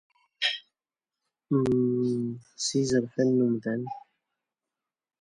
Umne? s yizerfan n umdan.